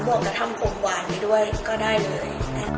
วกกับทำผมหวานไปด้วยก็ได้เลย